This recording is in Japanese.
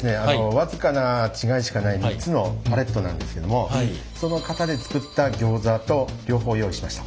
僅かな違いしかない３つのパレットなんですけどもその型で作ったギョーザと両方用意しました。